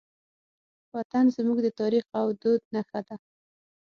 وطن زموږ د تاریخ او دود نښه ده.